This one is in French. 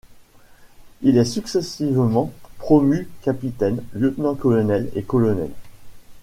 Il est successivement promu capitaine, lieutenant-colonel et colonel.